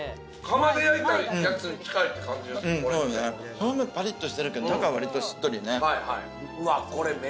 皮はパリッとしてるけど中はわりとしっとりね。